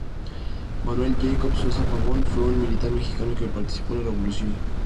Manuel Jacobo Sosa Pavón fue un militar mexicano que participó en la Revolución mexicana.